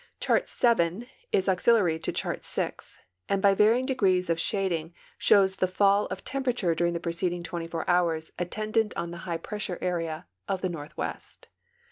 Chart VII is auxiliary to Chart VI, and by varying degrees of shading shows the fall of temperature during the preceding 24 hours attendant on the high pressure area of the northwest.